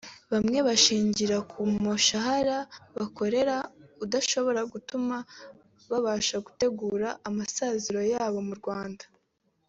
Bamwe bashingiye ku mushahara bakorera udashobora gutuma babasha gutegura amasaziro yabo mu Rwanda